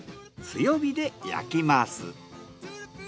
強火で焼きます。